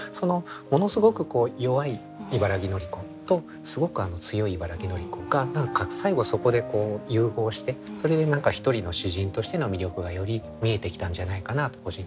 ものすごく弱い茨木のり子とすごく強い茨木のり子が最後はそこで融合してそれで何か一人の詩人としての魅力がより見えてきたんじゃないかなと個人的には思いますね。